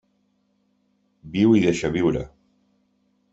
Viu i deixa viure.